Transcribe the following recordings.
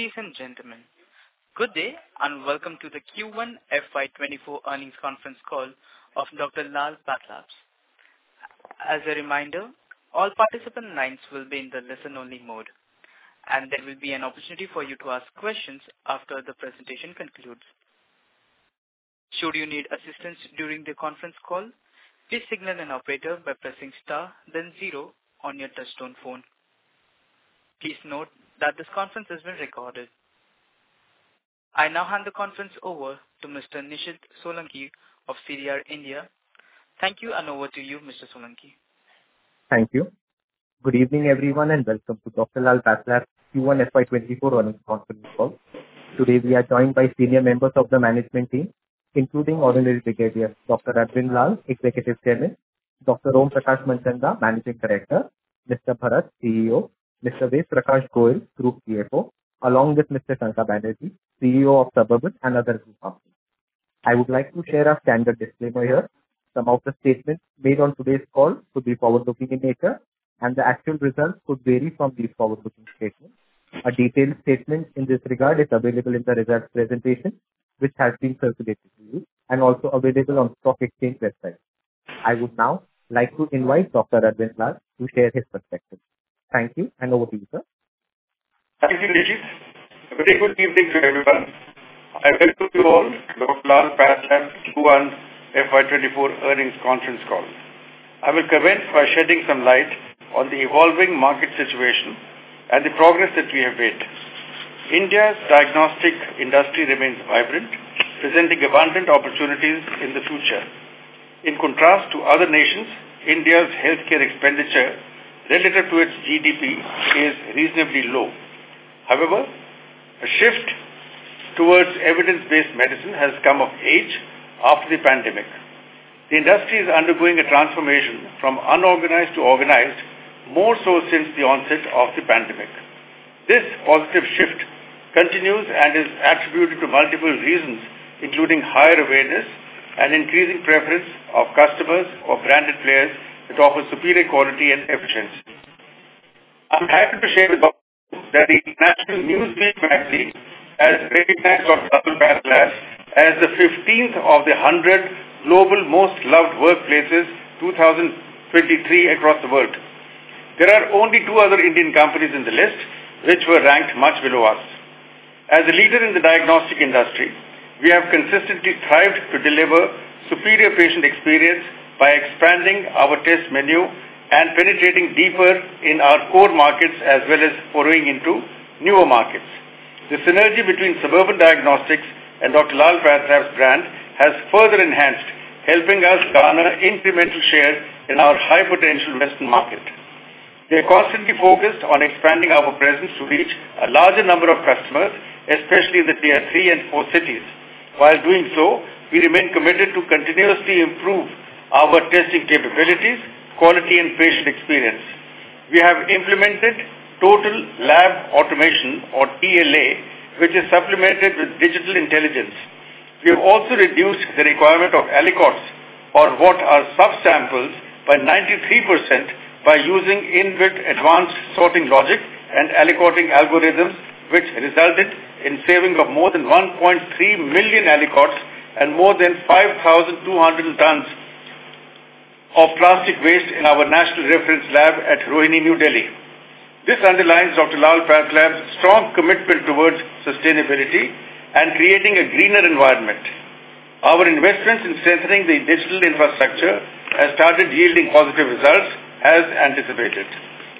Ladies and gentlemen, good day, welcome to the Q1 FY24 earnings conference call of Dr. Lal PathLabs. As a reminder, all participant lines will be in the listen-only mode, and there will be an opportunity for you to ask questions after the presentation concludes. Should you need assistance during the conference call, please signal an operator by pressing star, then zero on your touchtone phone. Please note that this conference is being recorded. I now hand the conference over to Mr. Nishid Solanki of CDR India. Thank you, over to you, Mr. Solanki. Thank you. Good evening, everyone, and welcome to Dr. Lal PathLabs Q1 FY24 earnings conference call. Today, we are joined by senior members of the management team, including our dedicated Dr. Arvind Lal, Executive Chairman, Dr. Om Prakash Manchanda, Managing Director, Mr. Bharath, CEO, Mr. Ved Prakash Goel, Group CFO, along with Mr. Sankar Banerjee, CEO of Suburban and other group officers. I would like to share our standard disclaimer here. Some of the statements made on today's call could be forward-looking in nature, and the actual results could vary from these forward-looking statements. A detailed statement in this regard is available in the results presentation, which has been circulated to you and also available on Stock Exchange website. I would now like to invite Dr. Arvind Lal to share his perspective. Thank you, and over to you, sir. Thank you, Nishid. A very good evening to everyone. I welcome you all to Dr. Lal PathLabs Q1 FY24 earnings conference call. I will commence by shedding some light on the evolving market situation and the progress that we have made. India's diagnostic industry remains vibrant, presenting abundant opportunities in the future. In contrast to other nations, India's healthcare expenditure related to its GDP is reasonably low. However, a shift towards evidence-based medicine has come of age after the pandemic. The industry is undergoing a transformation from unorganized to organized, more so since the onset of the pandemic. This positive shift continues and is attributed to multiple reasons, including higher awareness and increasing preference of customers or branded players that offer superior quality and efficiency. I'm happy to share with you that the Newsweek has recognized Dr. Lal PathLabs as the 15th of the 100 Global Most Loved Workplaces 2023 across the world. There are only two other Indian companies in the list, which were ranked much below us. As a leader in the diagnostic industry, we have consistently strived to deliver superior patient experience by expanding our test menu and penetrating deeper in our core markets as well as pouring into newer markets. The synergy between Suburban Diagnostics and Dr. Lal PathLabs brand has further enhanced, helping us garner incremental share in our high-potential western market. We are constantly focused on expanding our presence to reach a larger number of customers, especially in the tier three and four cities. While doing so, we remain committed to continuously improve our testing capabilities, quality, and patient experience. We have implemented Total Lab Automation or TLA, which is supplemented with digital intelligence. We have also reduced the requirement of aliquots or what are sub-samples by 93% by using inbuilt advanced sorting logic and aliquoting algorithms, which resulted in saving of more than 1.3 million aliquots and more than 5,200 tons of plastic waste in our National Reference Lab at Rohini, New Delhi. This underlines Dr. Lal PathLabs' strong commitment towards sustainability and creating a greener environment. Our investments in strengthening the digital infrastructure have started yielding positive results as anticipated.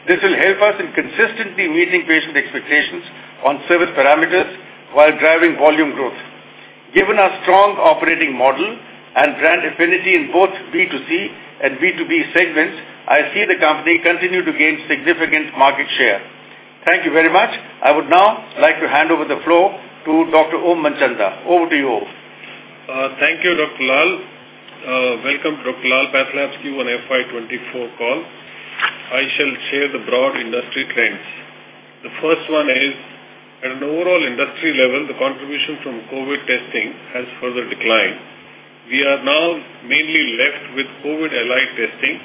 This will help us in consistently meeting patient expectations on service parameters while driving volume growth. Given our strong operating model and brand affinity in both B2C and B2B segments, I see the company continue to gain significant market share. Thank you very much. I would now like to hand over the floor to Dr. Om Manchanda. Over to you, Om. Thank you, Dr. Lal. Welcome to Dr. Lal PathLabs Q1 FY24 call. I shall share the broad industry trends. The first one is, at an overall industry level, the contribution from COVID testing has further declined. We are now mainly left with COVID allied testing,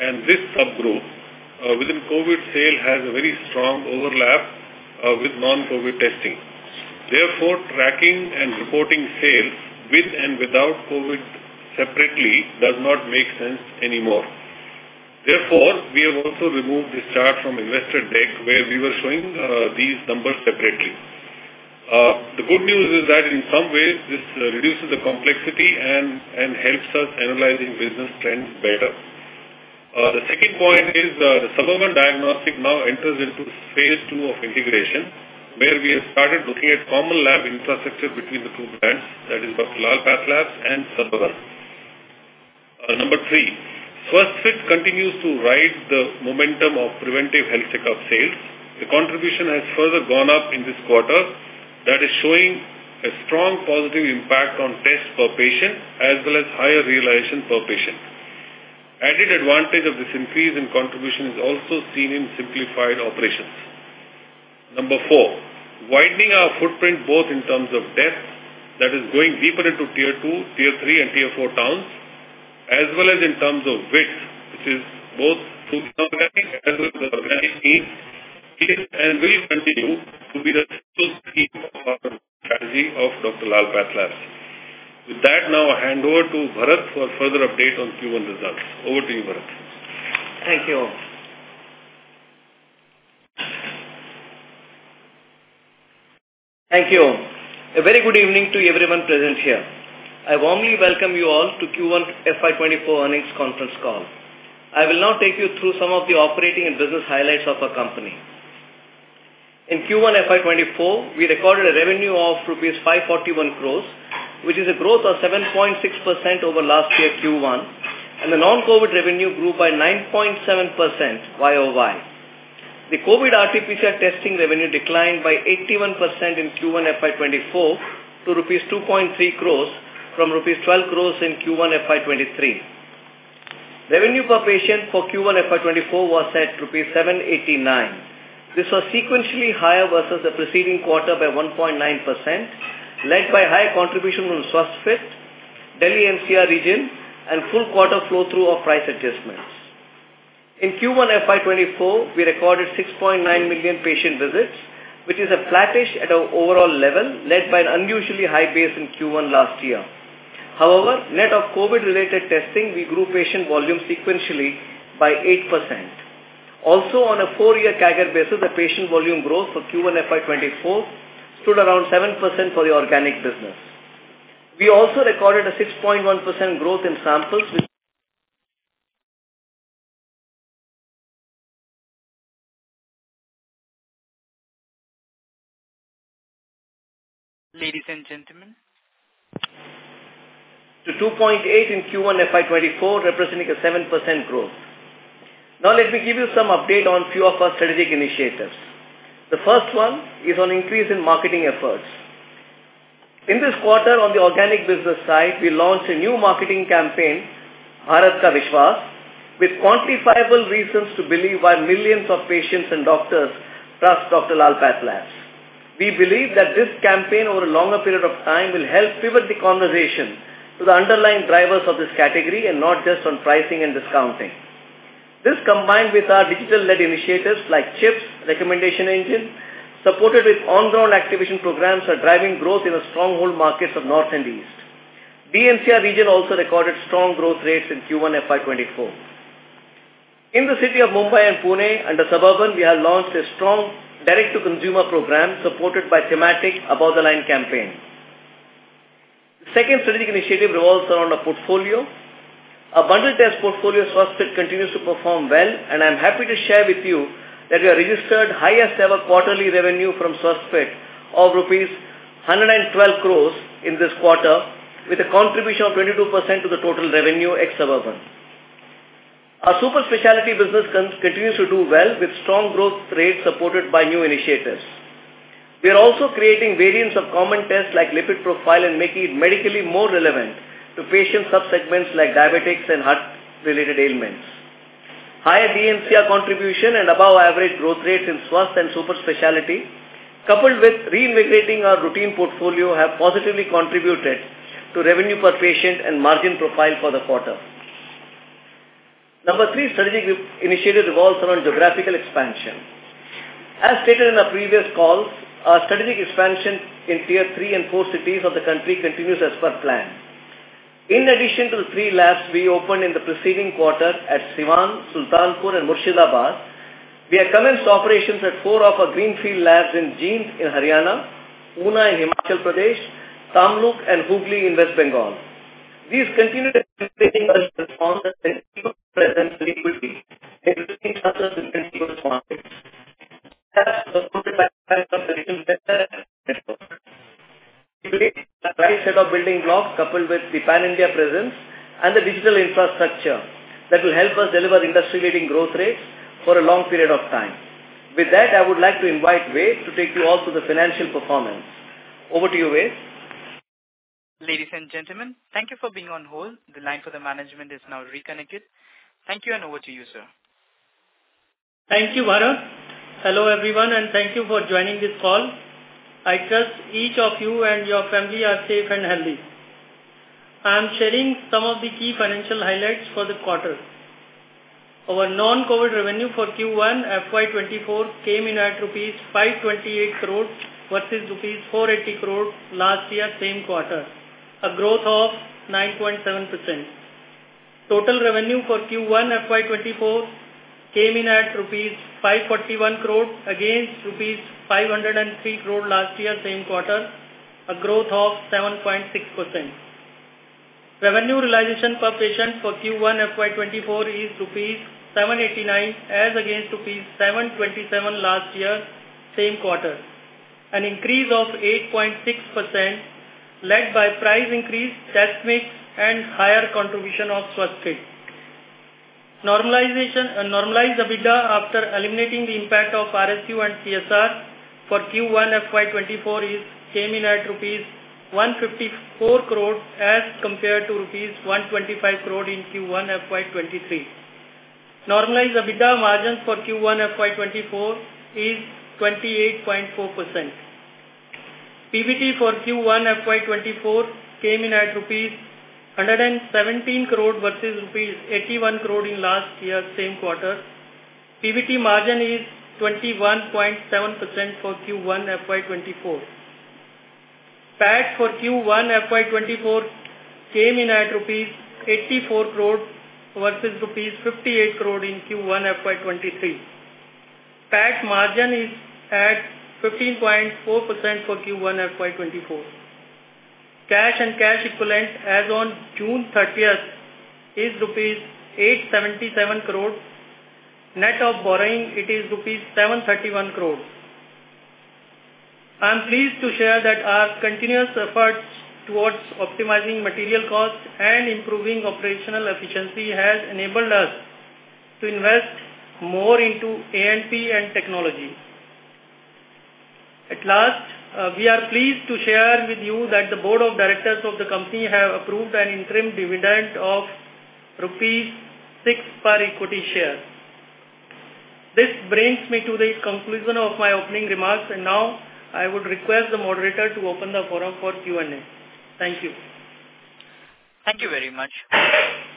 and this sub-group within COVID sale has a very strong overlap with non-COVID testing. Tracking and reporting sales with and without COVID separately does not make sense anymore. We have also removed this chart from investor deck, where we were showing these numbers separately. The good news is that in some ways this reduces the complexity and helps us analyzing business trends better. The second point is, the Suburban Diagnostics now enters into phase two of integration, where we have started looking at common lab infrastructure between the two brands, that is Dr. Lal PathLabs and Suburban. Number three, Swasthfit continues to ride the momentum of preventive health checkup sales. The contribution has further gone up in this quarter. That is showing a strong positive impact on tests per patient as well as higher realization per patient. Added advantage of this increase in contribution is also seen in simplified operations. Number four, widening our footprint, both in terms of depth, that is going deeper into Tier 2, Tier 3, and Tier 4 towns. As well as in terms of width, which is both through organic as well as the organic scheme, is and will continue to be the scheme of our strategy of Dr. Lal PathLabs. With that, now I hand over to Bharat for further update on Q1 results. Over to you, Bharat. Thank you. Thank you. A very good evening to everyone present here. I warmly welcome you all to Q1 FY24 earnings conference call. I will now take you through some of the operating and business highlights of our company. In Q1 FY24, we recorded a revenue of rupees 541 crores, which is a growth of 7.6% over last year Q1, and the non-COVID revenue grew by 9.7% YOY. The COVID RT-PCR testing revenue declined by 81% in Q1 FY24 to rupees 2.3 crores from rupees 12 crores in Q1 FY23. Revenue per patient for Q1 FY24 was at rupees 789. This was sequentially higher versus the preceding quarter by 1.9%, led by higher contribution from Swasthfit, Delhi NCR region, and full quarter flow through of price adjustments. In Q1 FY24, we recorded 6.9 million patient visits, which is a flattish at our overall level, led by an unusually high base in Q1 last year. Net of COVID-related testing, we grew patient volume sequentially by 8%. On a four-year CAGR basis, the patient volume growth for Q1 FY24 stood around 7% for the organic business. We also recorded a 6.1% growth in samples. To 2.8 in Q1 FY24, representing a 7% growth. Let me give you some update on few of our strategic initiatives. The first one is on increase in marketing efforts. In this quarter, on the organic business side, we launched a new marketing campaign, Bharat Ka Vishwas, with quantifiable reasons to believe why millions of patients and doctors trust Dr. Lal PathLabs. We believe that this campaign, over a longer period of time, will help pivot the conversation to the underlying drivers of this category and not just on pricing and discounting. This, combined with our digital-led initiatives like CHIPs, recommendation engine, supported with on-ground activation programs, are driving growth in the stronghold markets of North and East. Delhi NCR region also recorded strong growth rates in Q1 FY24. In the city of Mumbai and Pune, under Suburban, we have launched a strong direct-to-consumer program supported by thematic above-the-line campaign. The second strategic initiative revolves around our portfolio. Our bundled test portfolio, Swasthfit, continues to perform well, and I'm happy to share with you that we have registered highest ever quarterly revenue from Swasthfit of rupees 112 crores in this quarter, with a contribution of 22% to the total revenue ex-Suburban. Our super specialty business continues to do well with strong growth rates supported by new initiatives. We are also creating variants of common tests like lipid profile and making it medically more relevant to patient subsegments like diabetics and heart-related ailments. Higher Delhi NCR contribution and above average growth rates in Swasthfit and super specialty, coupled with reinvigorating our routine portfolio, have positively contributed to revenue per patient and margin profile for the quarter. Number three strategic initiative revolves around geographical expansion. As stated in our previous calls, our strategic expansion in tier three and four cities of the country continues as per plan. In addition to the three labs we opened in the preceding quarter at Siwan, Sultanpur, and Murshidabad, we have commenced operations at four of our greenfield labs in Jind in Haryana, Una in Himachal Pradesh, Tamluk, and Hooghly in West Bengal. We've continued building blocks, coupled with the Pan-India presence and the digital infrastructure that will help us deliver industry-leading growth rates for a long period of time. With that, I would like to invite Ved to take you all through the financial performance. Over to you, Ved. Ladies and gentlemen, thank you for being on hold. The line for the management is now reconnected. Thank you, and over to you, sir. Thank you, Bharat. Hello, everyone, thank you for joining this call. I trust each of you and your family are safe and healthy. I am sharing some of the key financial highlights for this quarter. Our non-COVID revenue for Q1 FY24 came in at rupees 528 crores versus rupees 480 crores last year, same quarter, a growth of 9.7%. Total revenue for Q1 FY24 came in at rupees 541 crores against rupees 503 crores last year, same quarter, a growth of 7.6%. Revenue realization per patient for Q1 FY24 is rupees 789, as against rupees 727 last year, same quarter, an increase of 8.6% led by price increase, test mix, and higher contribution of Swasthfit. Normalization, normalized EBITDA after eliminating the impact of RSU and CSR for Q1 FY 2024 came in at rupees 154 crore as compared to rupees 125 crore in Q1 FY 2023. Normalized EBITDA margin for Q1 FY 2024 is 28.4%. PBT for Q1 FY 2024 came in at rupees 117 crore, versus rupees 81 crore in last year, same quarter. PBT margin is 21.7% for Q1 FY 2024. PAT for Q1 FY 2024 came in at rupees 84 crore, versus rupees 58 crore in Q1 FY 2023. PAT margin is at 15.4% for Q1 FY 2024. Cash and cash equivalents as on June 30th, is rupees 877 crore. Net of borrowing, it is rupees 731 crore. I'm pleased to share that our continuous efforts towards optimizing material costs and improving operational efficiency, has enabled us to invest more into A&P and technology. At last, we are pleased to share with you that the board of directors of the company have approved an interim dividend of rupees 6 per equity share. This brings me to the conclusion of my opening remarks. Now I would request the moderator to open the forum for Q&A. Thank you. Thank you very much.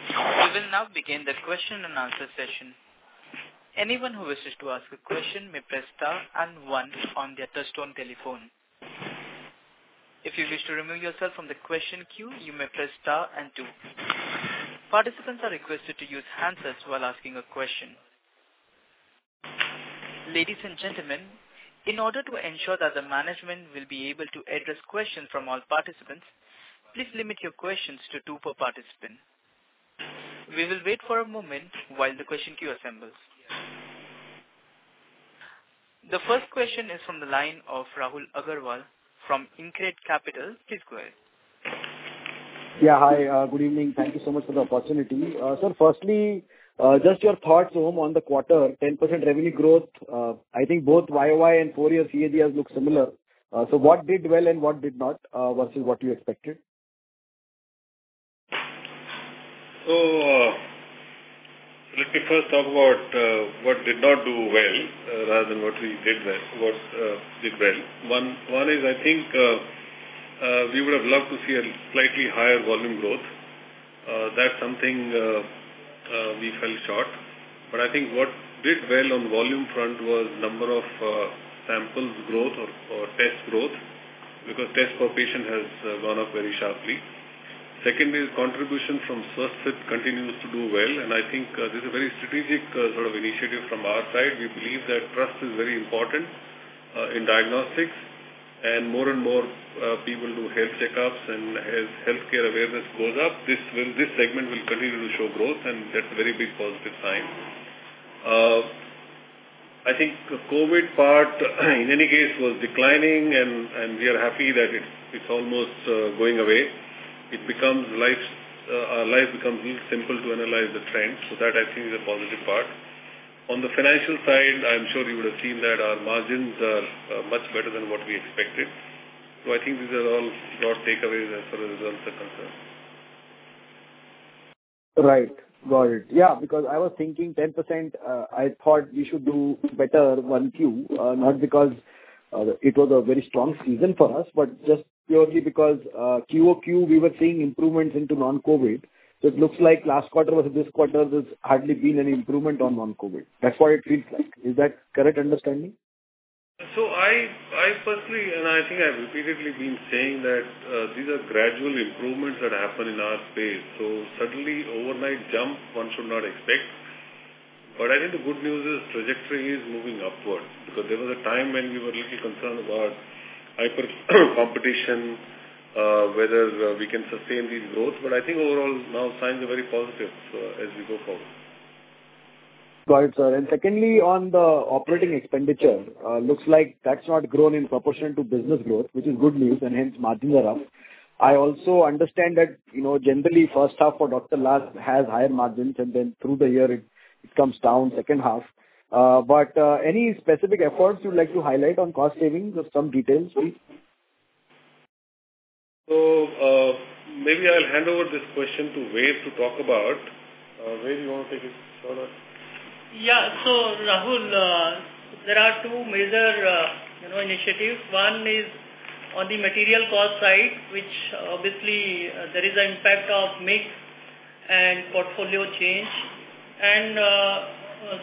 We will now begin the question and answer session. Anyone who wishes to ask a question may press star and one on their touchtone telephone. If you wish to remove yourself from the question queue, you may press star and two. Participants are requested to use hand signs while asking a question. Ladies and gentlemen, in order to ensure that the management will be able to address questions from all participants, please limit your questions to two per participant. We will wait for a moment while the question queue assembles. The first question is from the line of Rahul Agarwal from Incred Capital. Please go ahead. Yeah. Hi, good evening. Thank you so much for the opportunity. firstly, just your thoughts on the quarter, 10% revenue growth, I think both YOY and four-year CAGRs look similar. what did well and what did not, versus what you expected? Let me first talk about what did not do well, rather than what we did well, what did well. One is, I think, we would have loved to see a slightly higher volume growth. That's something we fell short, but I think what did well on volume front was number of samples growth or test growth, because test per patient has gone up very sharply. Second is contribution from Swasthfit continues to do well, and I think this is a very strategic sort of initiative from our side. We believe that trust is very important in diagnostics, and more and more people do health checkups, and as healthcare awareness goes up, this segment will continue to show growth, and that's a very big positive sign. I think the COVID part, in any case, was declining and we are happy that it's almost going away. Our life becomes little simple to analyze the trend. That I think is a positive part. On the financial side, I'm sure you would have seen that our margins are much better than what we expected. I think these are all broad takeaways as far as results are concerned. Right. Got it. Yeah, because I was thinking 10%, I thought we should do better 1 Q, not because it was a very strong season for us, but just purely because QOQ, we were seeing improvements into non-COVID. It looks like last quarter versus this quarter, there's hardly been any improvement on non-COVID. That's what it reads like. Is that correct understanding? I personally, and I think I've repeatedly been saying that, these are gradual improvements that happen in our space. Suddenly, overnight jump, one should not expect. I think the good news is, trajectory is moving upwards, because there was a time when we were a little concerned about hyper competition, whether we can sustain this growth. I think overall, now signs are very positive, so as we go forward. Got it, sir. Secondly, on the operating expenditure, looks like that's not grown in proportion to business growth, which is good news, and hence, margins are up. I also understand that, you know, generally, first half for Dr. Lal PathLabs has higher margins, and then through the year, it comes down second half. Any specific efforts you'd like to highlight on cost savings or some details, please? Maybe I'll hand over this question to Ved to talk about. Ved, you want to take it further? Yeah. Rahul, there are two major, you know, initiatives. One is on the material cost side, which obviously, there is an impact of mix and portfolio change.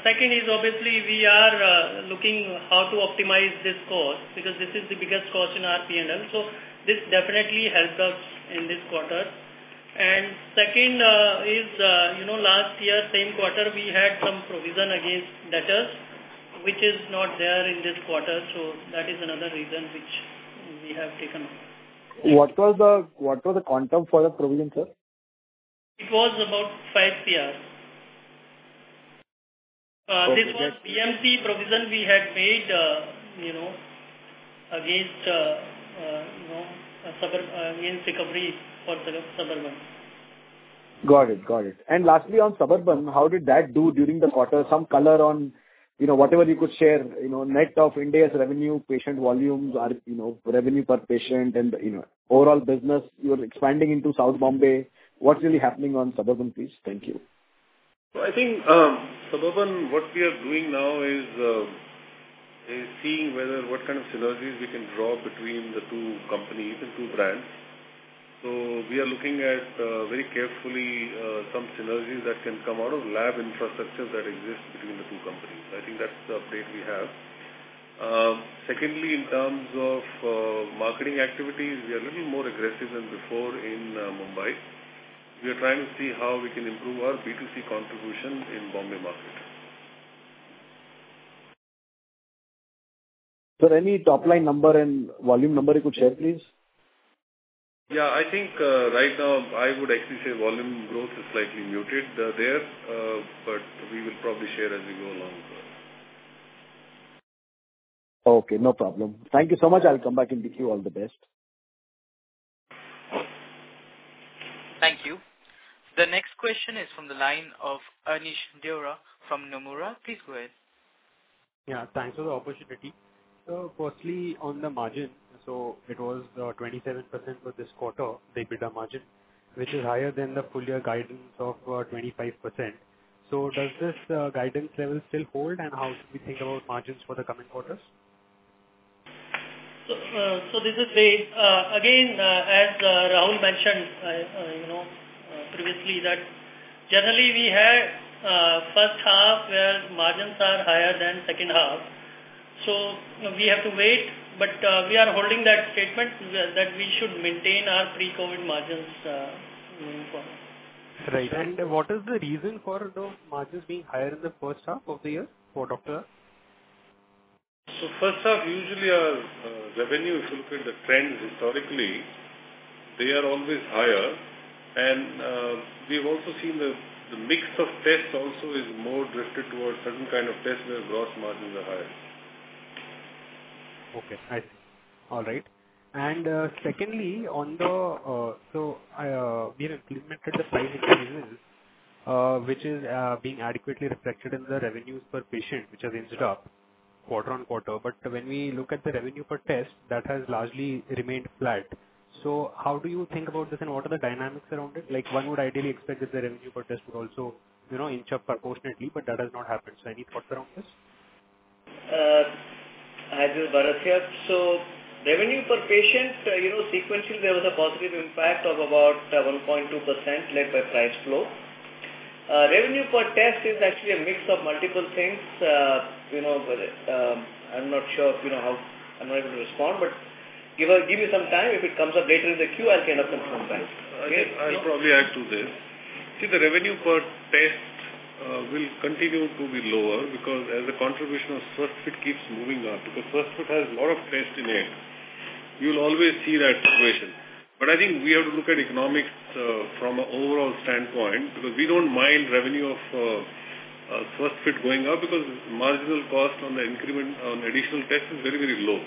Second is obviously, we are looking how to optimize this cost, because this is the biggest cost in our P&L, so this definitely helps us in this quarter. Second is, you know, last year, same quarter, we had some provision against debtors, which is not there in this quarter. That is another reason which we have taken. What was the quantum for the provision, sir? It was about 5 CR. Okay. This was PMC provision we had made, you know, against, you know, suburb, against recovery for the Suburban. Got it. Got it. Lastly, on Suburban, how did that do during the quarter? Some color on, you know, whatever you could share, you know, net of India's revenue, patient volumes or, you know, revenue per patient and, you know, overall business. You are expanding into South Bombay. What's really happening on Suburban, please? Thank you. I think, for one, what we are doing now is seeing whether what kind of synergies we can draw between the two companies and two brands. We are looking at very carefully some synergies that can come out of lab infrastructure that exists between the two companies. I think that's the update we have. Secondly, in terms of marketing activities, we are a little more aggressive than before in Mumbai. We are trying to see how we can improve our B2C contribution in Bombay market. Sir, any top line number and volume number you could share, please? Yeah, I think, right now, I would actually say volume growth is slightly muted, there, but we will probably share as we go along. Okay, no problem. Thank you so much. I'll come back and with you. All the best. Thank you. The next question is from the line of Aneesh Deora from Nomura. Please go ahead. Yeah, thanks for the opportunity. Firstly, on the margin, it was 27% for this quarter, the EBITDA margin, which is higher than the full year guidance of 25%. Does this guidance level still hold, and how do we think about margins for the coming quarters? This is the, again, as, Rahul mentioned, you know, previously, that generally we have, first half, where margins are higher than second half. We have to wait, but we are holding that statement, that we should maintain our pre-COVID margins, going forward. Right. What is the reason for the margins being higher in the first half of the year for Dr. Lal PathLabs? First half, usually our revenue, if you look at the trends historically, they are always higher. We've also seen the mix of tests also is more drifted towards certain kind of tests where gross margins are higher. Okay, I see. All right. Secondly, on the... We have implemented the price increases, which is being adequately reflected in the revenues per patient, which has inched up quarter-on-quarter. When we look at the revenue per test, that has largely remained flat. How do you think about this, and what are the dynamics around it? Like, one would ideally expect that the revenue per test would also, you know, inch up proportionately, but that has not happened. Any thoughts around this? Hi, this is Bharat here. Revenue per patient, you know, sequentially, there was a positive impact of about 1.2% led by price flow. Revenue per test is actually a mix of multiple things. You know, I'm not sure if you know how I'm not going to respond, but give us, give me some time. If it comes up later in the queue, I'll kind of come back. I'll probably add to this. See, the revenue per test will continue to be lower because as the contribution of Swasthfit keeps moving up, because Swasthfit has a lot of test in it, you'll always see that situation. I think we have to look at economics from an overall standpoint, because we don't mind revenue of Swasthfit going up, because marginal cost on the increment on additional test is very, very low.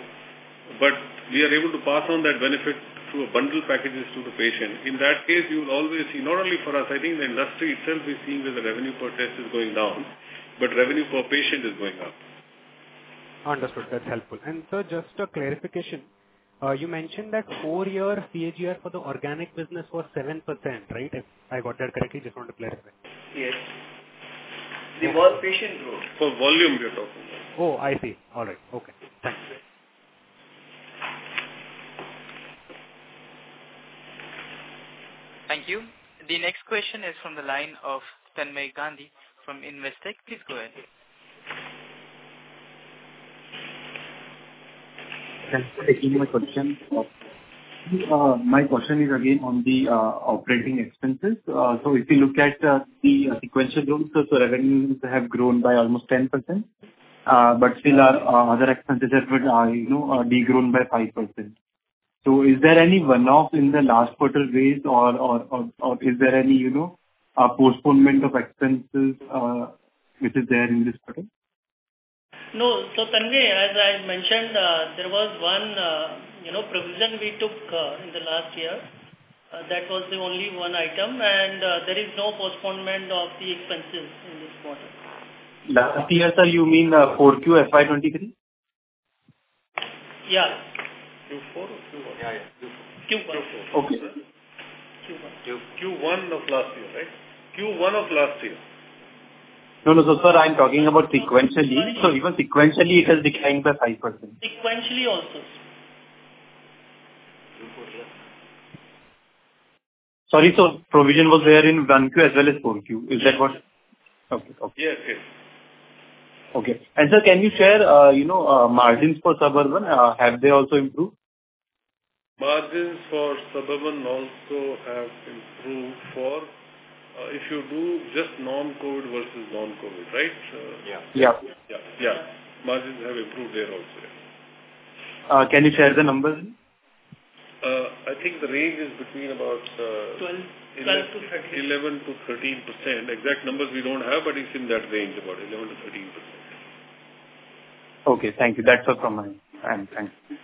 We are able to pass on that benefit through a bundle packages to the patient. In that case, you'll always see, not only for us, I think the industry itself is seeing that the revenue per test is going down, but revenue per patient is going up. Understood. That's helpful. Sir, just a clarification. You mentioned that four-year CAGR for the organic business was 7%, right? If I got that correctly, just want to clarify. Yes. The whole patient growth. For volume, we are talking about. Oh, I see. All right. Okay, thank you. Thank you. The next question is from the line of Tanmay Gandhi from Investec. Please go ahead. Thanks for taking my question. My question is again on the operating expenses. So if you look at the sequential growth, so the revenues have grown by almost 10%, but still our other expenditures have, you know, degrown by 5%. So is there any one-off in the last quarter or, or is there any, you know, postponement of expenses which is there in this quarter? Tanmay, as I mentioned, there was one, you know, provision we took, in the last year. That was the only one item, and, there is no postponement of the expenses in this quarter. The last year, sir, you mean, for QFY 23? Yeah. Q4 or Q1? Yeah, Q4. Okay. Q1. Q1 of last year, right? Q1 of last year. No, no, sir, I'm talking about sequentially. Even sequentially, it has declined by 5%. Sequentially, also. Q4, yeah. Sorry, provision was there in 1 Q as well as 4 Q. Is that what? Yes. Okay. Okay. Yes, yes. Okay. Sir, can you share, you know, margins for Suburban? Have they also improved? Margins for Suburban also have improved for, if you do just non-COVID versus non-COVID, right? Yeah. Yeah. Yeah, yeah. Margins have improved there also. Can you share the numbers? I think the range is between about. 12 to 13. 11%-13%. Exact numbers we don't have, but it's in that range, about 11%-13%. Okay, thank you. That's all from my end. Thank you.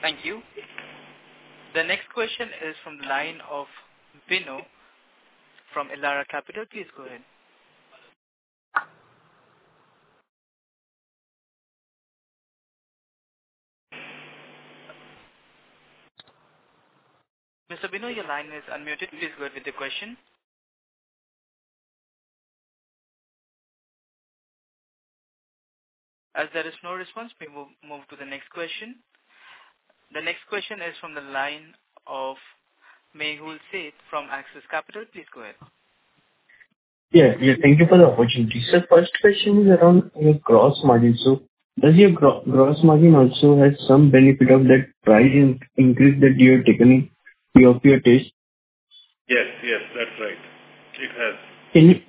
Thank you. The next question is from the line of Bino from Elara Capital. Please go ahead. Mr. Bino, your line is unmuted. Please go ahead with the question. As there is no response, we will move to the next question. The next question is from the line of Mehul Seth from Axis Capital. Please go ahead. Yeah. Thank you for the opportunity. First question is around your gross margin. Does your gross margin also has some benefit of that price increase that you have taken of your test? Yes, yes, that's right. It has. Can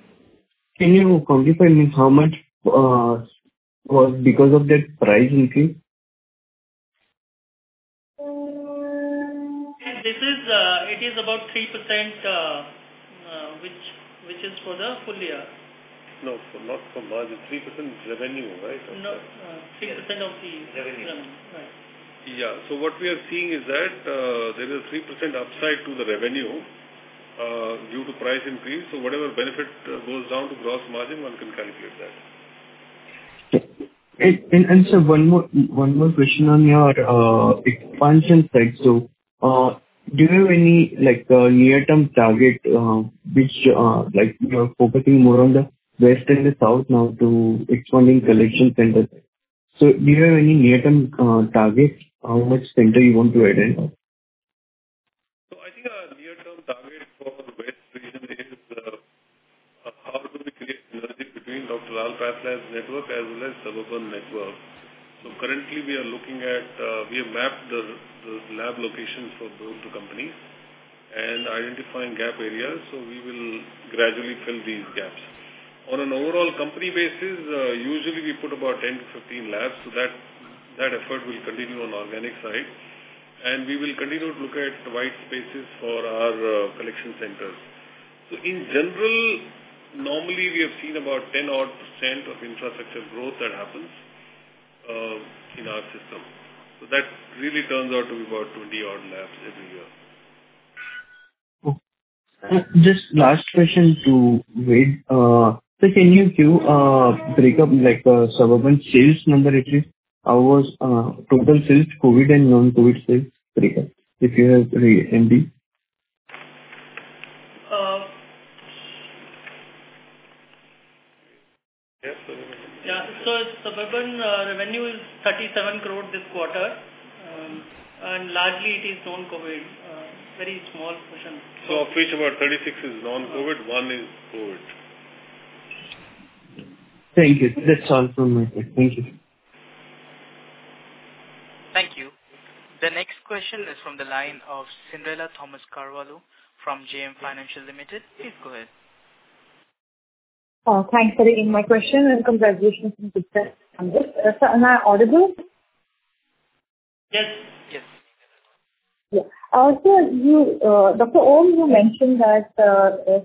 you quantify, I mean, how much was because of that price increase? This is, it is about 3%, which is for the full year. No, not for margin, 3% revenue, right? No, 3% of. Revenue. Right. Yeah. What we are seeing is that, there is a 3% upside to the revenue, due to price increase. Whatever benefit goes down to gross margin, one can calculate that. Sir, one more question on your expansion side. Do you have any, like, near-term target, which, like you are focusing more on the west and the south now to expanding collection centers? Do you have any near-term targets, how much center you want to add in? I think our near-term target for the West region is how do we create synergy between Dr. Lal PathLabs network as well as Suburban network. Currently we are looking at, we have mapped the lab locations for both the companies and identifying gap areas, so we will gradually fill these gaps. On an overall company basis, usually we put about 10-15 labs, so that effort will continue on organic side, and we will continue to look at the white spaces for our, collection centers. In general, normally we have seen about 10 odd % of infrastructure growth that happens, in our system. That really turns out to be about 20 odd labs every year. Okay. Just last question to Ved. Can you give breakup, like, Suburban sales number, at least, how was total sales, COVID and non-COVID sales breakup, if you have the MD? Yes. Yeah. Suburban revenue is 37 crore this quarter, largely it is non-COVID, very small portion. Of which about 36 is non-COVID, 1 is COVID. Thank you. That's all from my side. Thank you. Thank you. The next question is from the line of Cyndrella Thomas Carvalho from JM Financial Limited. Please go ahead. Thanks for taking my question. Congratulations on good set on this. Sir, am I audible? Yes. Yes. Yeah. Also, you, Dr. Om, you mentioned that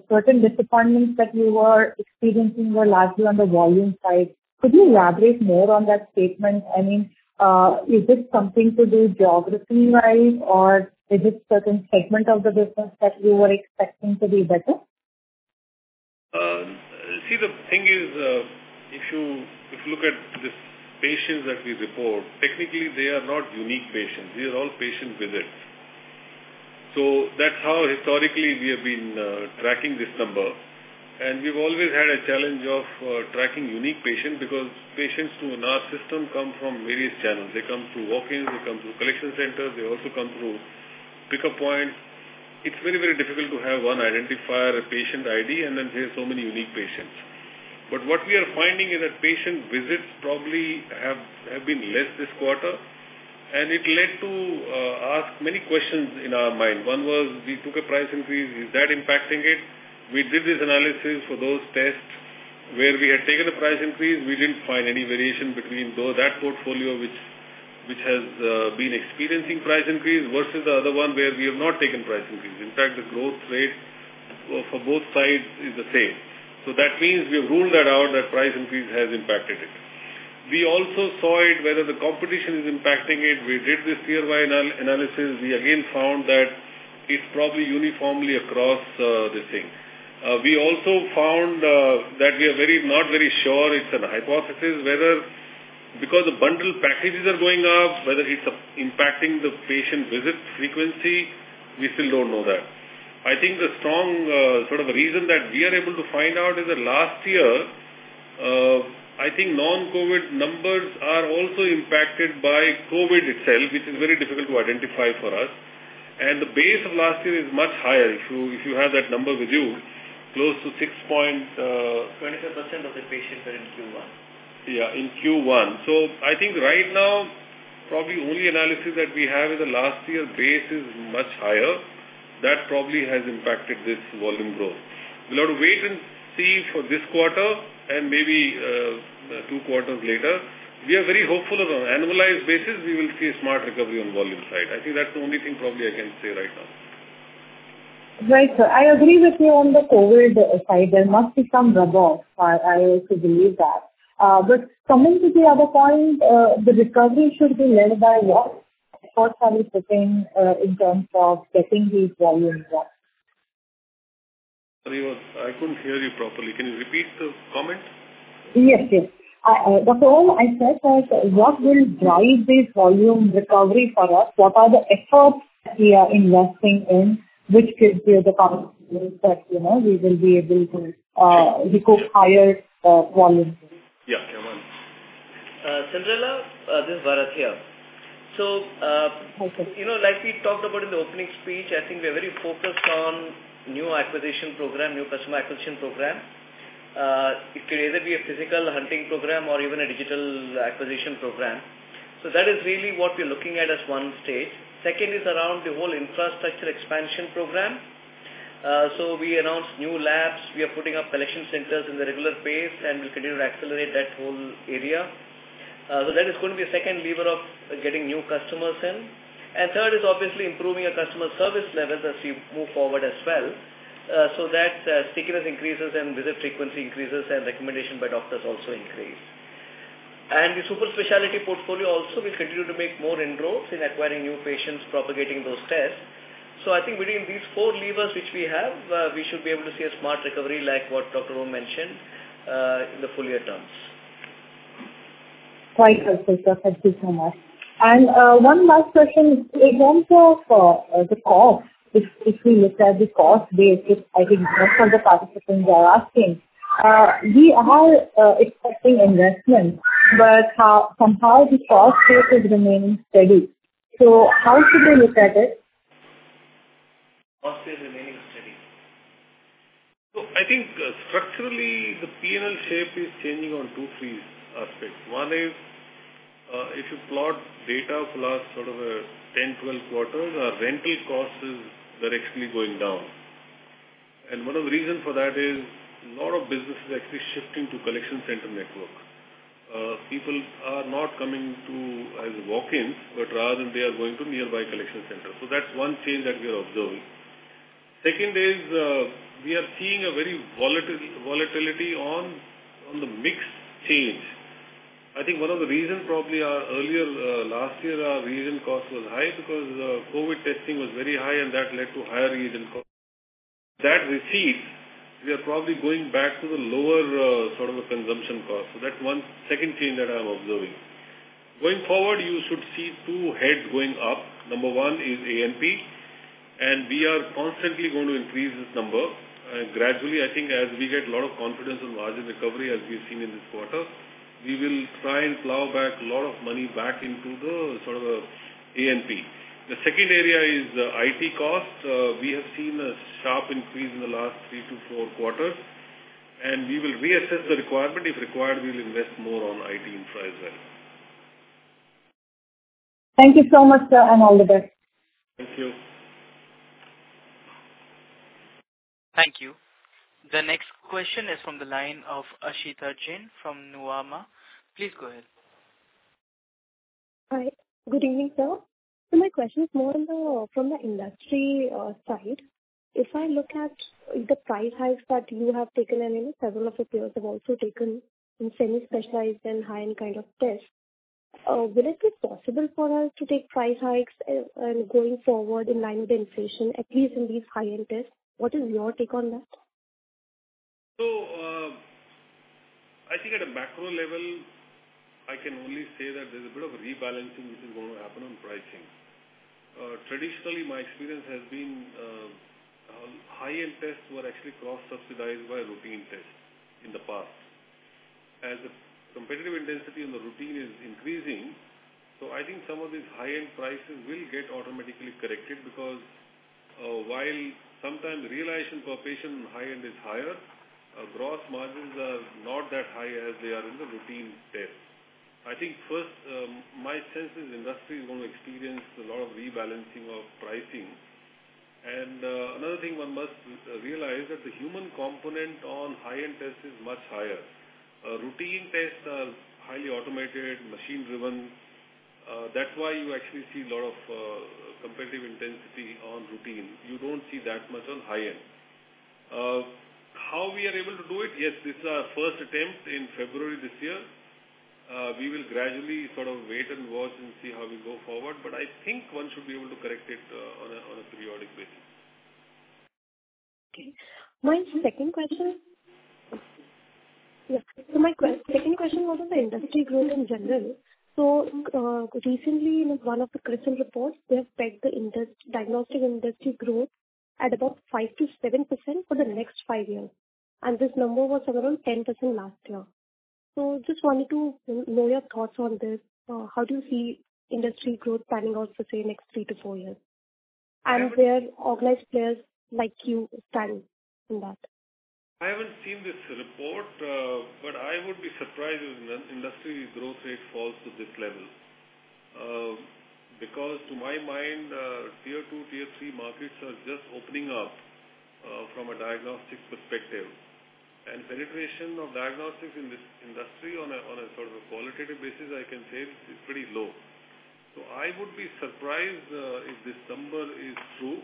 certain disappointments that you were experiencing were largely on the volume side. Could you elaborate more on that statement? I mean, is it something to do geography-wise, or is it certain segment of the business that you were expecting to be better? See, the thing is, if you look at the patients that we report, technically, they are not unique patients. These are all patient visits. That's how historically we have been tracking this number. We've always had a challenge of tracking unique patients, because patients to in our system come from various channels. They come through walk-ins, they come through collection centers, they also come through pickup points. It's very, very difficult to have one identifier, a patient ID, and then there are so many unique patients. What we are finding is that patient visits probably have been less this quarter, and it led to ask many questions in our mind. One was, we took a price increase, is that impacting it? We did this analysis for those tests where we had taken a price increase. We didn't find any variation between though that portfolio, which has been experiencing price increase, versus the other one where we have not taken price increase. In fact, the growth rate for both sides is the same. That means we have ruled that out, that price increase has impacted it. We also saw it, whether the competition is impacting it. We did this year by analysis, we again found that it's probably uniformly across the thing. We also found that we are very, not very sure, it's an hypothesis, whether because the bundle packages are going up, whether it's impacting the patient visit frequency, we still don't know that. I think the strong, sort of reason that we are able to find out is that last year, I think non-COVID numbers are also impacted by COVID itself, which is very difficult to identify for us. The base of last year is much higher. If you have that number with you, close to 6 point. 25% of the patients are in Q1. Yeah, in Q1. I think right now, probably only analysis that we have is the last year's base is much higher. That probably has impacted this volume growth. We'll have to wait and see for this quarter and maybe, two quarters later. We are very hopeful on an annualized basis, we will see a smart recovery on volume side. I think that's the only thing probably I can say right now. Right, sir. I agree with you on the COVID side. There must be some rub off, I also believe that. Coming to the other point, the recovery should be led by what? What are you putting, in terms of getting these volumes up? I couldn't hear you properly. Can you repeat the comment? Yes. I said that what will drive this volume recovery for us? What are the efforts we are investing in, which could be the current that, you know, we will be able to recover higher volumes? Yeah, come on. Cyndrella, this is Bharat here. Hi, sir. You know, like we talked about in the opening speech, I think we are very focused on new acquisition program, new customer acquisition program. It could either be a physical hunting program or even a digital acquisition program. That is really what we're looking at as one stage. Second is around the whole infrastructure expansion program. We announced new labs. We are putting up collection centers in the regular pace, and we'll continue to accelerate that whole area. That is going to be a second lever of getting new customers in. Third is obviously improving our customer service levels as we move forward as well, so that stickiness increases and visit frequency increases, and recommendation by doctors also increase. The super specialty portfolio also will continue to make more inroads in acquiring new patients, propagating those tests. I think between these four levers which we have, we should be able to see a smart recovery, like what Dr. Oh mentioned, in the full year terms. Right. Thank you so much. One last question. In terms of, the cost, if we look at the cost base, I think that's what the participants are asking. We are, expecting investment, but how somehow the cost base is remaining steady. How should we look at it? Cost is remaining steady. I think structurally, the P&L shape is changing on two, three aspects. One is, if you plot data for last sort of, 10, 12 quarters, our rental costs is directly going down. One of the reason for that is a lot of business is actually shifting to collection center network. People are not coming to as walk-ins, but rather they are going to nearby collection center. That's one change that we are observing. Second is, we are seeing a very volatility on the mix change. I think one of the reasons probably our earlier, last year, our region cost was high because COVID testing was very high, and that led to higher region cost. That receipt, we are probably going back to the lower, sort of a consumption cost. That's one second change that I'm observing. Going forward, you should see two heads going up. Number one is A&P. We are constantly going to increase this number. Gradually, I think as we get a lot of confidence in margin recovery, as we've seen in this quarter, we will try and plow back a lot of money back into the sort of ANP. The second area is the IT cost. We have seen a sharp increase in the last three-four quarters. We will reassess the requirement. If required, we will invest more on IT infra as well. Thank you so much, sir, and all the best. Thank you. Thank you. The next question is from the line of Aashita Jain from Nuvama. Please go ahead. Hi. Good evening, sir. My question is more on the, from the industry side. If I look at the price hikes that you have taken, and, you know, several of your peers have also taken in semi-specialized and high-end kind of tests, will it be possible for us to take price hikes and going forward in line with inflation, at least in these high-end tests? What is your take on that? I think at a macro level, I can only say that there's a bit of a rebalancing which is going to happen on pricing. Traditionally, my experience has been, high-end tests were actually cross-subsidized by routine tests in the past. As the competitive intensity in the routine is increasing, so I think some of these high-end prices will get automatically corrected, because, while sometimes realization per patient in high-end is higher, gross margins are not that high as they are in the routine test. I think first, my sense is industry is going to experience a lot of rebalancing of pricing. Another thing one must realize that the human component on high-end test is much higher. Routine tests are highly automated, machine-driven. That's why you actually see a lot of competitive intensity on routine. You don't see that much on high-end. How we are able to do it? Yes, this is our first attempt in February this year. We will gradually sort of wait and watch and see how we go forward. I think one should be able to correct it, on a periodic basis. Okay. My second question... Yeah. My second question was on the industry growth in general. Recently, in one of the CRISIL reports, they have set the diagnostic industry growth at about 5%-7% for the next 5 years, and this number was around 10% last year. Just wanted to know your thoughts on this. How do you see industry growth panning out for, say, next three-four years? Where organized players like you stand in that? I haven't seen this report, but I would be surprised if an industry growth rate falls to this level. To my mind, tier 2 tier 3 markets are just opening up from a diagnostic perspective. Penetration of diagnostics in this industry on a, on a sort of a qualitative basis, I can say is pretty low. I would be surprised if this number is true,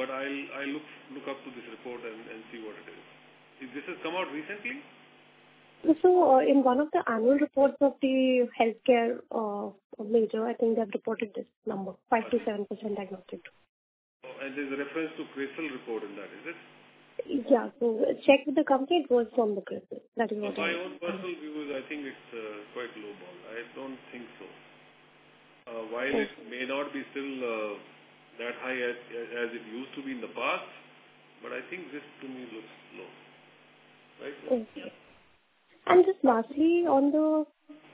but I'll look up to this report and see what it is. If this has come out recently?... in one of the annual reports of the healthcare, major, I think they've reported this number, 5%-7% diagnostic. Oh, there's a reference to CRISIL report in that, is it? Yeah. Check with the company. It was from the CRISIL. For my own personal view, I think it's quite lowball. I don't think so. While it may not be still, that high as it used to be in the past, but I think this to me looks low. Right? Okay. Yeah. Just lastly, on the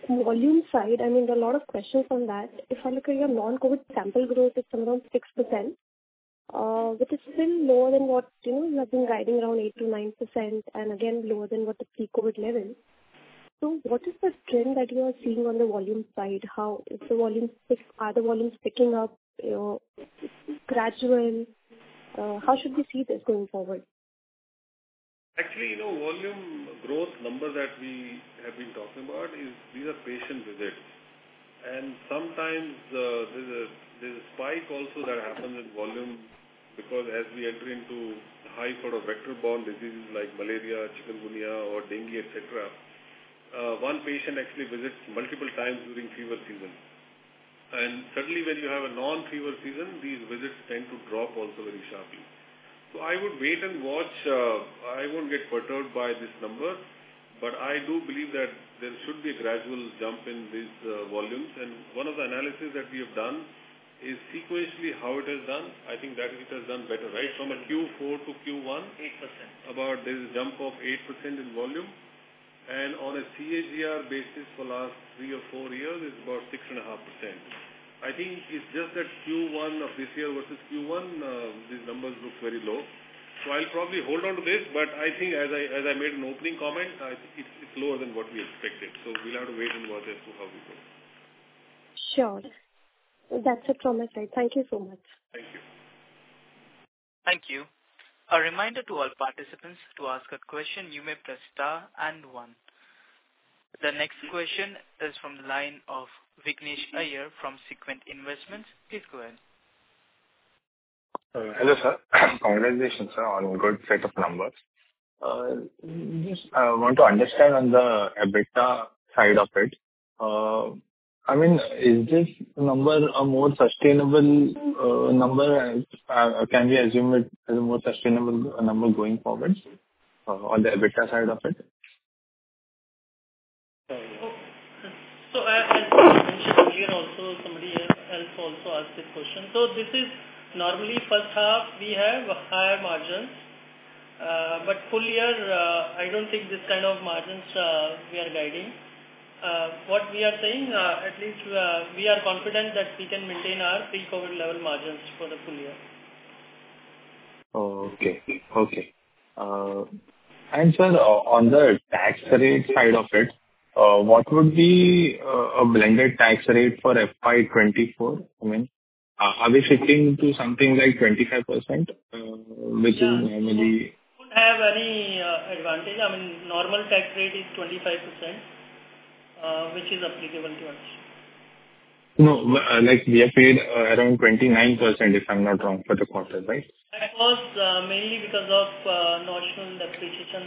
volume side, I mean, there are a lot of questions on that. If I look at your non-COVID sample growth, it's around 6%, which is still lower than what, you know, you have been riding around 8%-9%, and again, lower than what the pre-COVID level. What is the trend that you are seeing on the volume side? Are the volumes picking up, you know, gradual? How should we see this going forward? Actually, you know, volume growth number that we have been talking about is these are patient visits. Sometimes, there's a spike also that happens in volume, because as we enter into high sort of vector-borne diseases like malaria, chikungunya or dengue, et cetera, one patient actually visits multiple times during fever season. Suddenly, when you have a non-fever season, these visits tend to drop also very sharply. I would wait and watch. I won't get perturbed by this number, but I do believe that there should be a gradual jump in these volumes. One of the analysis that we have done is sequentially how it has done. I think diagnostic has done better, right? From a Q4 to Q1- 8%. About there's a jump of 8% in volume, and on a CAGR basis for last three or four years, it's about 6.5%. I think it's just that Q1 of this year versus Q1, these numbers look very low. I'll probably hold on to this. I think as I made an opening comment, it's lower than what we expected, so we'll have to wait and watch as to how we go. Sure. That's a promise, right. Thank you so much. Thank you. Thank you. A reminder to all participants, to ask a question, you may press star and one. The next question is from the line of Vignesh Iyer from Sequent Investments. Please go ahead. Hello, sir. Congratulations, sir, on good set of numbers. Just I want to understand on the EBITDA side of it, I mean, is this number a more sustainable number, can we assume it is a more sustainable number going forward on the EBITDA side of it? Also somebody else also asked this question. This is normally first half, we have higher margins, but full year, I don't think this kind of margins, we are guiding. What we are saying, at least, we are confident that we can maintain our pre-COVID level margins for the full year. Okay. Sir, on the tax rate side of it, what would be a blended tax rate for FY24? I mean, are we shifting to something like 25%, which is normally? We have any, advantage. I mean, normal tax rate is 25%, which is applicable to us. like we have paid, around 29%, if I'm not wrong, for the quarter, right? That was mainly because of notional depreciation,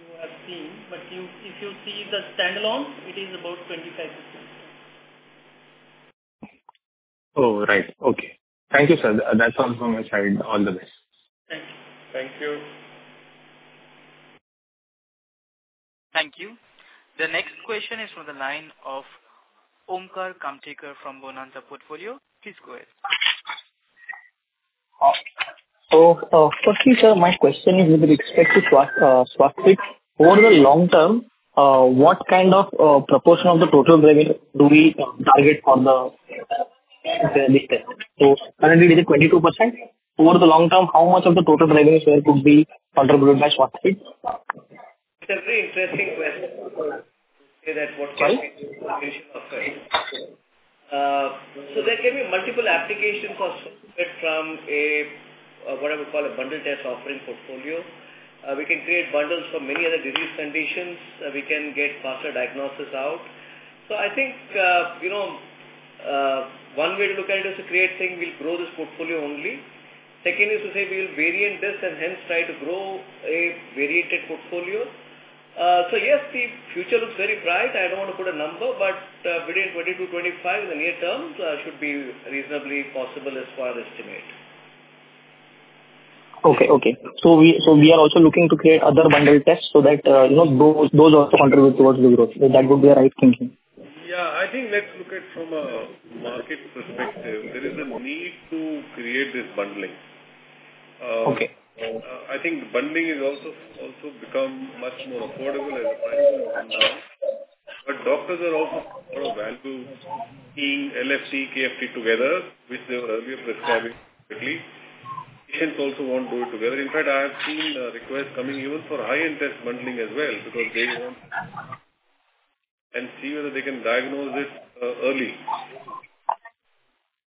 you have seen, but if you see the standalone, it is about 25%. Oh, right. Okay. Thank you, sir. That's all from my side. All the best. Thank you. Thank you. Thank you. The next question is from the line of Omkar Kamtekar from Bonanza Portfolio. Please go ahead. Firstly, sir, my question is with respect to Swasthfit. Swasthfit, over the long term, what kind of proportion of the total revenue do we target for? Currently, it is 22%. Over the long term, how much of the total revenues there could be contributed by Swasthfit? It's a very interesting question. There can be multiple applications for Swasthfit from a what I would call a bundle test offering portfolio. We can create bundles for many other disease conditions. We can get faster diagnosis out. I think, you know, one way to look at it is to create saying we'll grow this portfolio only. Second is to say we will variant this and hence try to grow a variated portfolio. Yes, the future looks very bright. I don't want to put a number, but within 20-25 in the near term, should be reasonably possible as far as estimate. Okay. Okay. We are also looking to create other bundle tests so that, you know, those also contribute towards the growth. That would be the right thinking? Yeah, I think let's look at from a market perspective, there is a need to create this bundling. Okay. I think bundling is also become much more affordable and but doctors are also more of value in LFT, KFT together, which they were earlier prescribing separately. Patients also want to do it together. In fact, I have seen requests coming even for high-end test bundling as well, because they want and see whether they can diagnose it, early.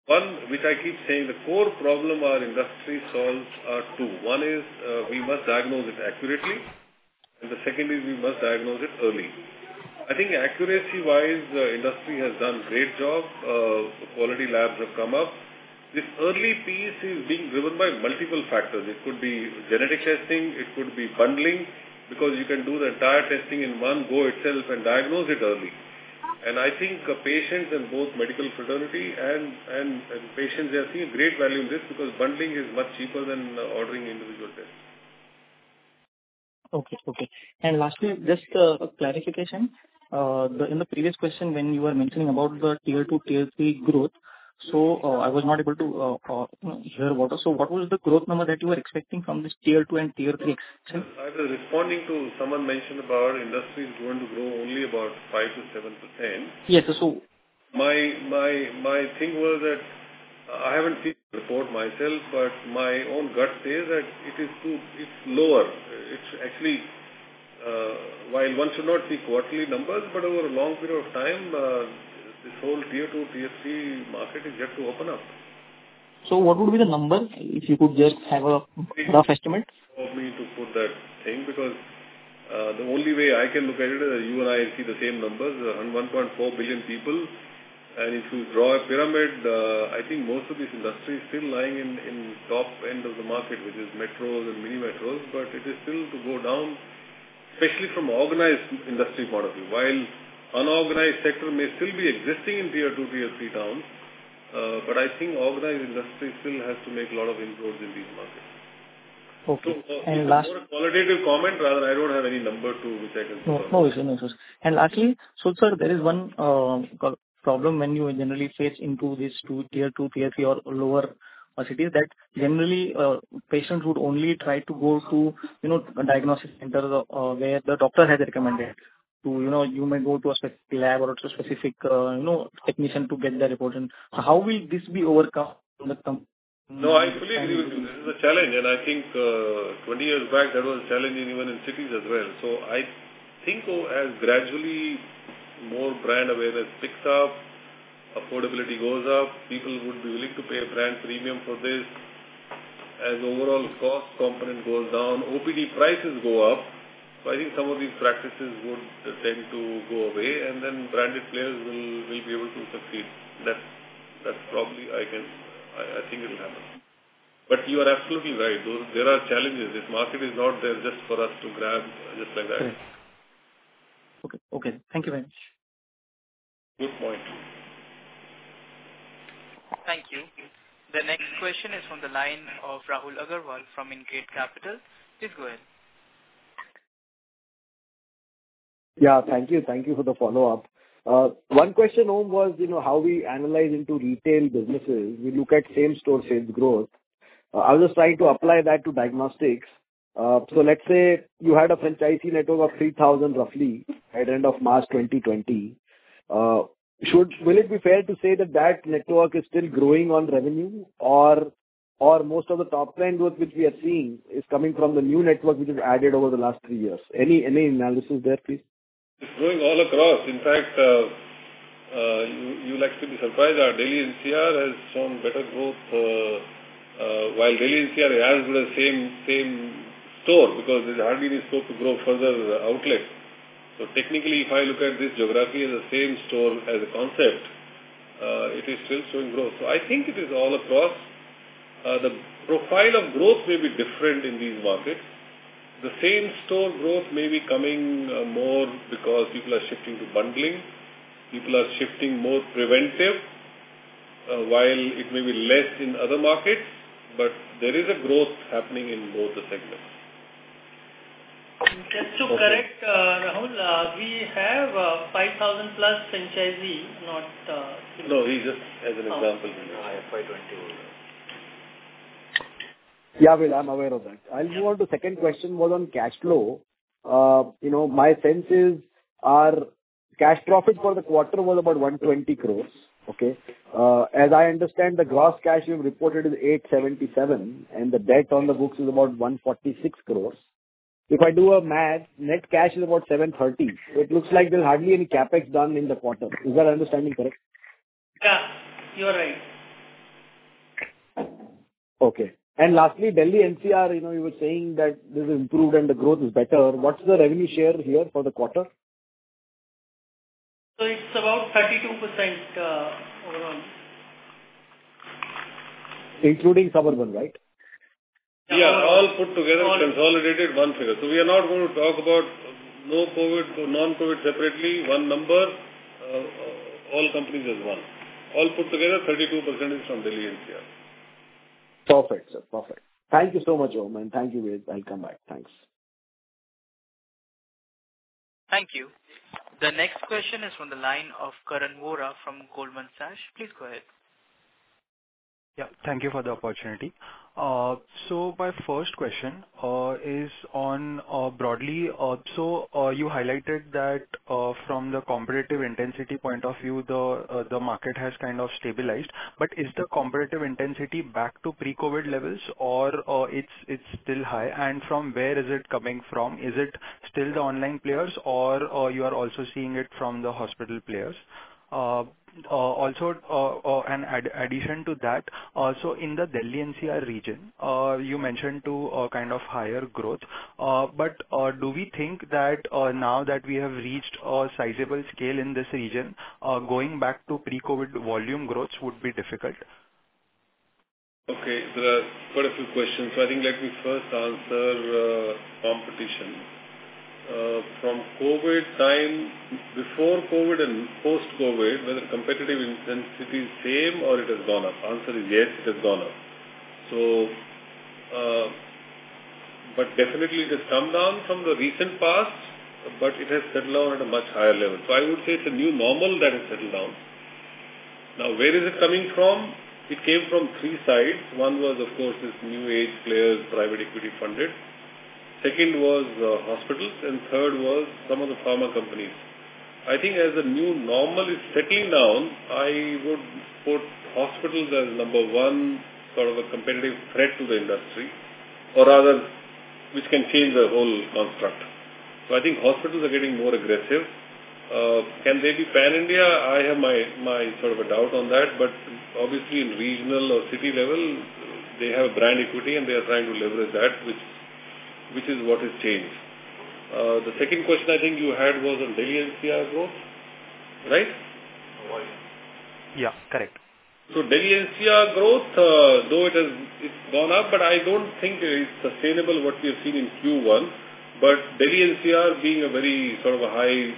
One, which I keep saying, the core problem our industry solves are two. One is, we must diagnose it accurately, and the second is we must diagnose it early. I think accuracy-wise, the industry has done a great job, quality labs have come up. This early piece is being driven by multiple factors. It could be genetic testing, it could be bundling, because you can do the entire testing in one go itself and diagnose it early. I think patients and both medical fraternity and patients are seeing great value in this, because bundling is much cheaper than ordering individual tests. Okay, okay. Lastly, just clarification. In the previous question, when you were mentioning about the tier 2, tier 3 growth, I was not able to hear about it. What was the growth number that you were expecting from this tier 2 and tier 3? I was responding to someone mentioned about industry is going to grow only about five to seven to 10. Yes, so- My thing was that I haven't seen the report myself, but my own gut says that it's lower. It's actually, while one should not see quarterly numbers, but over a long period of time, this whole tier two, tier three market is yet to open up. What would be the number, if you could just have a rough estimate? For me to put that thing, because, the only way I can look at it, you and I see the same numbers, 1.4 billion people. If you draw a pyramid, I think most of this industry is still lying in top end of the market, which is metros and mini metros, but it is still to go down, especially from organized industry point of view. While unorganized sector may still be existing in tier two, tier three towns, but I think organized industry still has to make a lot of inroads in these markets. Okay. Qualitative comment, rather, I don't have any number to which I can say. No, no, sir. Lastly, sir, there is one problem when you generally face into this two, tier 2, tier 3 or lower cities, that generally, patients would only try to go to, you know, a diagnostic center, where the doctor has recommended. You know, you may go to a specific lab or a specific, you know, technician to get the report. How will this be overcome in the come? No, I fully agree with you. This is a challenge, and I think, 20 years back, that was a challenge even in cities as well. I think as gradually more brand awareness picks up, affordability goes up, people would be willing to pay a brand premium for this. As overall cost component goes down, OPD prices go up. I think some of these practices would tend to go away, and then branded players will be able to succeed. That's probably I think it'll happen. You are absolutely right, there are challenges. This market is not there just for us to grab just like that. Okay. Okay, thank you very much. Good point. Thank you. The next question is from the line of Rahul Agarwal from Incred Capital. Please go ahead. Yeah, thank you. Thank you for the follow-up. One question, Om, was, you know, how we analyze into retail businesses. We look at same-store sales growth. I was just trying to apply that to diagnostics. Let's say you had a franchisee network of 3,000 roughly at the end of March 2020. Will it be fair to say that that network is still growing on revenue or most of the top line growth, which we are seeing, is coming from the new network, which is added over the last three years? Any analysis there, please? It's growing all across. In fact, you'll actually be surprised our Delhi NCR has shown better growth, while Delhi NCR has the same store, because there's hardly any store to grow further outlets. Technically, if I look at this geography as a same store, as a concept, it is still showing growth. I think it is all across. The profile of growth may be different in these markets. The same store growth may be coming more because people are shifting to bundling, people are shifting more preventive, while it may be less in other markets, but there is a growth happening in both the segments. Just to correct, Rahul, we have 5,000 plus franchisee, not- No, he just as an example. Yeah, FY 2021. Ved, I'm aware of that. I'll move on to second question, was on cash flow. you know, my sense is our cash profit for the quarter was about 120 crores, okay? as I understand, the gross cash you've reported is 877, and the debt on the books is about 146 crores. If I do a math, net cash is about 730. It looks like there's hardly any CapEx done in the quarter. Is that understanding correct? Yeah, you are right. Okay. Lastly, Delhi NCR, you know, you were saying that this is improved and the growth is better. What's the revenue share here for the quarter? it's about 32% overall. Including Suburban, right? Yeah, all put together, consolidated, one figure. We are not going to talk about no COVID to non-COVID separately, one number, all companies as one. All put together, 32% is from Delhi NCR. Perfect, sir. Perfect. Thank you so much, Om, and thank you, Ved. I'll come back. Thanks. Thank you. The next question is from the line of Karan Vora from Goldman Sachs. Please go ahead. Yeah, thank you for the opportunity. My first question is on broadly. You highlighted that from the competitive intensity point of view, the market has kind of stabilized, but is the competitive intensity back to pre-COVID levels or it's still high? And from where is it coming from? Is it still the online players or you are also seeing it from the hospital players? Also, in addition to that, also in the Delhi NCR region, you mentioned a kind of higher growth, but do we think that now that we have reached a sizable scale in this region, going back to pre-COVID volume growth would be difficult? Okay, there are quite a few questions. I think let me first answer, competition. From COVID time, before COVID and post-COVID, whether competitive intensity is same or it has gone up? Answer is yes, it has gone up. But definitely it has come down from the recent past, but it has settled down at a much higher level. I would say it's a new normal that has settled down. Now, where is it coming from? It came from three sides. One was, of course, this new age players, private equity funded. Second was, hospitals, and third was some of the pharma companies. I think as the new normal is settling down, I would put hospitals as number one, sort of a competitive threat to the industry, or rather, which can change the whole construct. I think hospitals are getting more aggressive. Can they be pan-India? I have my sort of a doubt on that, obviously in regional or city level, they have brand equity, they are trying to leverage that, which is what has changed. The second question I think you had was on Delhi NCR growth, right? Yeah, correct. Delhi NCR growth, though it has, it's gone up, but I don't think it is sustainable what we have seen in Q1. Delhi NCR being a very sort of a high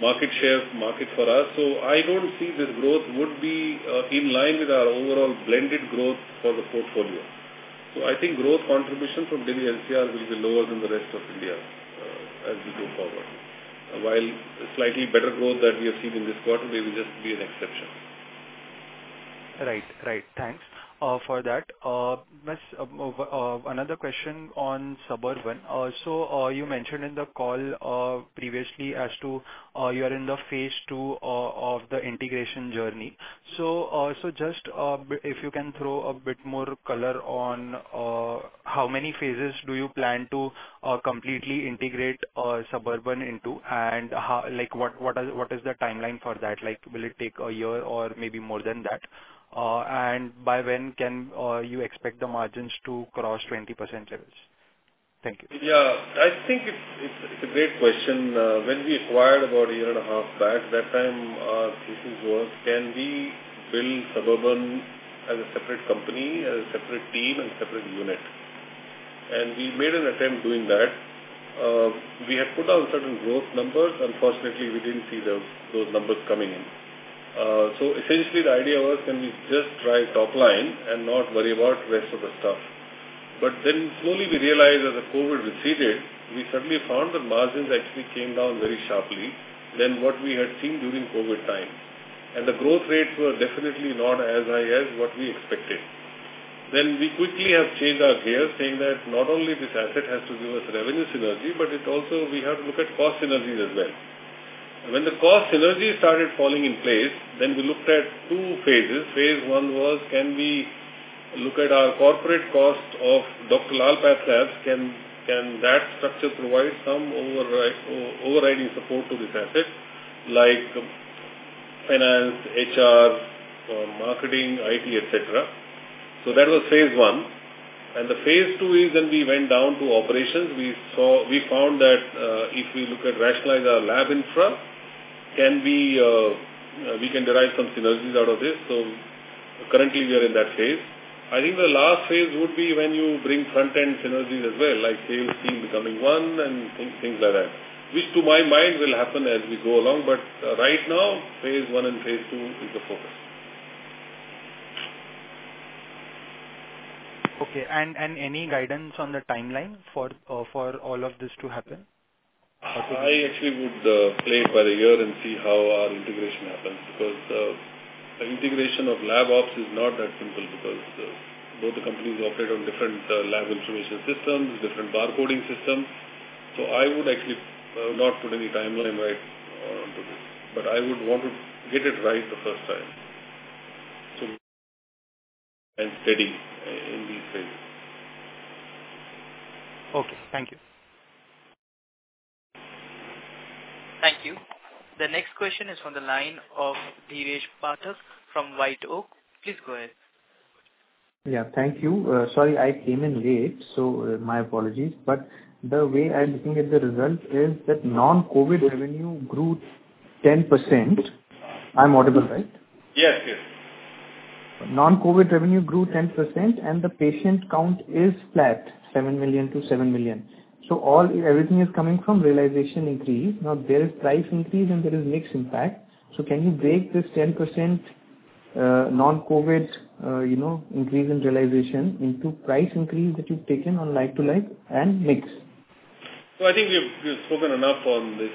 market share market for us, so I don't see this growth would be in line with our overall blended growth for the portfolio. I think growth contribution from Delhi NCR will be lower than the rest of India, as we go forward. Slightly better growth that we have seen in this quarter, may be just be an exception. Right. Right. Thanks for that. Next, another question on Suburban. So, you mentioned in the call previously as to, you are in the phase two of the integration journey. So, just if you can throw a bit more color on how many phases do you plan to completely integrate Suburban into? What is the timeline for that? Like, will it take a year or maybe more than that? By when can you expect the margins to cross 20% levels? Thank you. Yeah, I think it's a great question. When we acquired about a year and a half back, that time our thinking was, can we build Suburban Diagnostics as a separate company, as a separate team, and separate unit? We made an attempt doing that. We had put out certain growth numbers. Unfortunately, we didn't see those numbers coming in. Essentially, the idea was, can we just try top line and not worry about rest of the stuff? Slowly we realized as the COVID receded, we suddenly found the margins actually came down very sharply than what we had seen during COVID time, and the growth rates were definitely not as high as what we expected. We quickly have changed our gear, saying that not only this asset has to give us revenue synergy, but it also we have to look at cost synergies as well. The cost synergies started falling in place, we looked at two phases. Phase one was, can we look at our corporate cost of Dr. Lal PathLabs? Can that structure provide some overriding support to this asset? Like finance, HR, marketing, IT, et cetera. That was phase one. The phase two is when we went down to operations, we found that, if we look at rationalize our lab infra, can we can derive some synergies out of this. Currently, we are in that phase. I think the last phase would be when you bring front-end synergies as well, like sales team becoming one and things like that, which to my mind, will happen as we go along. Right now, phase one and phase two is the focus. Okay. Any guidance on the timeline for all of this to happen? I actually would play it by the ear and see how our integration happens, because the integration of lab ops is not that simple, because both the companies operate on different lab information systems, different bar coding systems. I would actually not put any timeline right onto this, but I would want to get it right the first time. Steady in these phases. Okay. Thank you. Thank you. The next question is from the line of Dheeresh Pathak from White Oak. Please go ahead. Yeah, thank you. sorry, I came in late, so my apologies. The way I'm looking at the results is that non-COVID revenue grew 10%. I'm audible, right? Yes, yes. Non-COVID revenue grew 10%, and the patient count is flat, 7 million to 7 million. Everything is coming from realization increase. There is price increase and there is mix impact. Can you break this 10%, non-COVID, you know, increase in realization into price increase that you've taken on like to like and mix? I think we've spoken enough on this,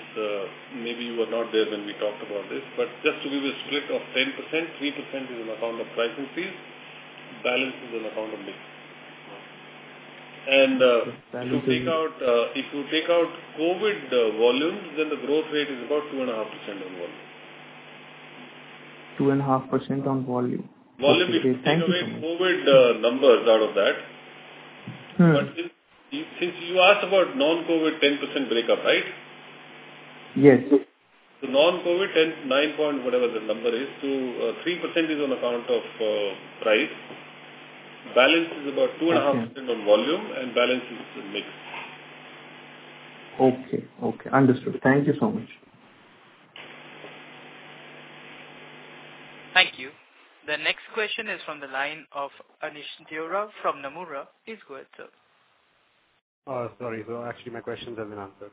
maybe you were not there when we talked about this. Just to give you a split of 10%, 3% is on account of price increase, balance is on account of mix. Balance is- if you take out, if you take out COVID volumes, then the growth rate is about 2.5% on volume. 2.5% on volume. Volume, if you take away COVID, numbers out of that. Since, since you asked about non-COVID 10% breakup, right? Yes. The non-COVID 10, nine point whatever the number is, 3% is on account of price. Balance is about 2.5% on volume. Balance is in mix. Okay, okay, understood. Thank you so much. Thank you. The next question is from the line of Aneesh Deora from Nomura. Please go ahead, sir. Sorry, actually, my question has been answered.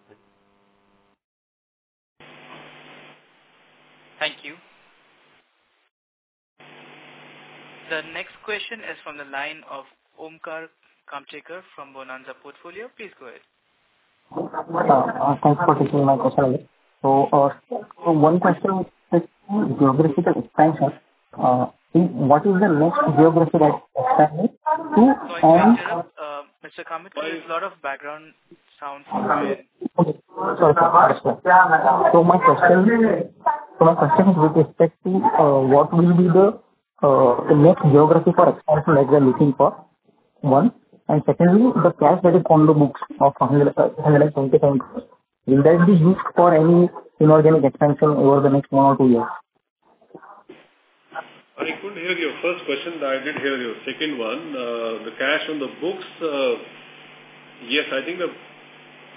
Thank you. The next question is from the line of Omkar Kamthekar from Bonanza Portfolio. Please go ahead. Thanks for taking my question. One question, what is the next geography that expansion? Mr. Kamthekar, there is a lot of background sounds coming in. My question is with respect to what will be the next geography for expansion that you are looking for? One, and secondly, the cash that is on the books of 177, will that be used for any inorganic expansion over the next one or two years? I couldn't hear your first question. I did hear your second one. The cash on the books, yes, I think the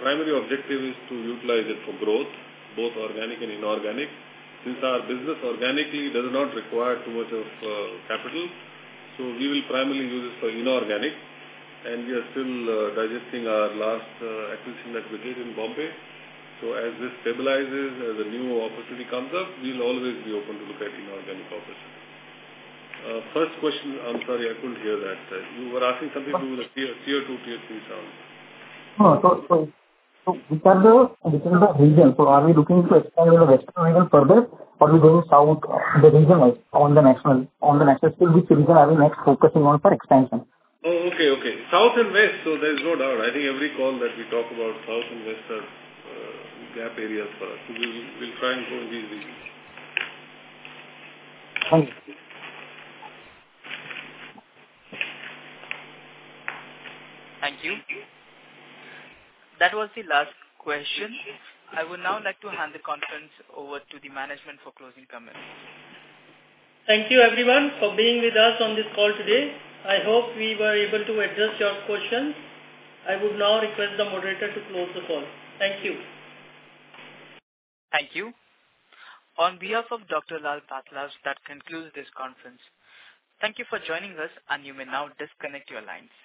primary objective is to utilize it for growth, both organic and inorganic. Since our business organically does not require too much of capital, we will primarily use this for inorganic, and we are still digesting our last acquisition that we did in Bombay. As this stabilizes, as a new opportunity comes up, we'll always be open to look at inorganic opportunities. First question, I'm sorry, I couldn't hear that. You were asking something about tier two, tier three towns. No. So which is the region? Are we looking to expand in the western region further, or we go south, which region are we next focusing on for expansion? Okay. South and west, there's no doubt. I think every call that we talk about south and west are gap areas for us. We'll try and go these regions. Thank you. Thank you. That was the last question. I would now like to hand the conference over to the management for closing comments. Thank you, everyone, for being with us on this call today. I hope we were able to address your questions. I would now request the moderator to close the call. Thank you. Thank you. On behalf of Dr. Lal PathLabs, that concludes this conference. Thank you for joining us, and you may now disconnect your lines.